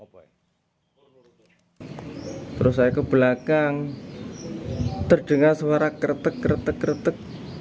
ketika di rumah saya saya terdengar suara keretek keretek